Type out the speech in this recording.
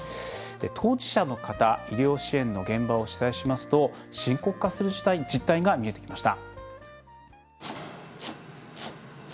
当事者の方、医療支援の現場を取材しますと深刻化する実態が見えてきました。